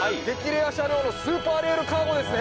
レア車両のスーパーレールカーゴですね。